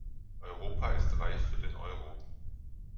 Europa ist reif für den Euro.